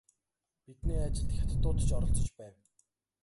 Бидний ажилд хятадууд ч оролцож байв.